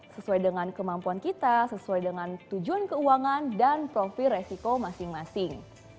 sesuai dengan kemampuan kita sesuai dengan tujuan keuangan dan profil resiko masing masing